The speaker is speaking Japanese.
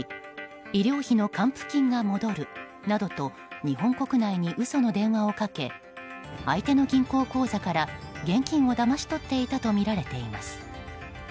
医療費の還付金が戻るなどと日本国内に嘘の電話をかけ相手の銀行口座から現金をだまし取っていたとみられています。